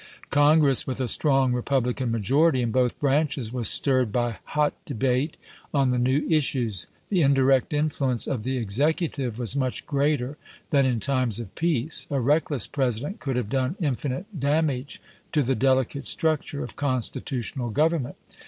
Congress, with a strong Republican majority in both branches, was stirred by hot debate on the new issues. The indirect influence of the Execu tive was much greater than in times of peace; a reckless President could have done infinite dam age to the delicate structm'e of constitutional gov ernment.